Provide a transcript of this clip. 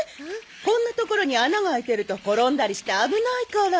こんなところに穴が開いてると転んだりして危ないから。